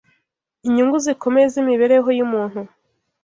Inyungu zikomeye z’imibereho y’umuntu